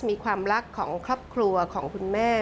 มีความรักของครอบครัวของคุณแม่